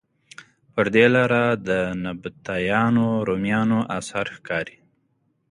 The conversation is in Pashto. پر دې لاره د نبطیانو، رومیانو اثار ښکاري.